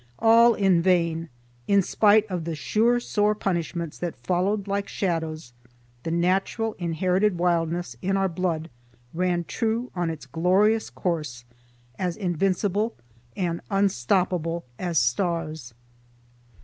All in vain. In spite of the sure sore punishments that followed like shadows, the natural inherited wildness in our blood ran true on its glorious course as invincible and unstoppable as stars.